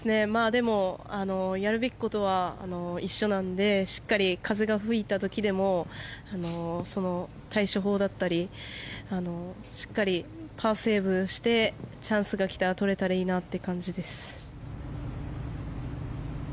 やるべきことは一緒なのでしっかり風が吹いた時でも対処法だったりしっかりパーセーブしてチャンスがきたらとれたらいいなって感じです。